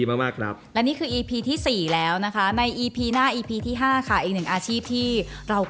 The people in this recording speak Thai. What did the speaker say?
วันนี้คืออีพีที่สี่แล้วนะคะ